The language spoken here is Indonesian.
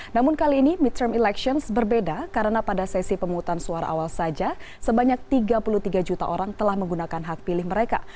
namun kali ini mitrum elections berbeda karena pada sesi pemutusan suara awal saja sebanyak tiga puluh tiga juta orang telah menggunakan hak pilih mereka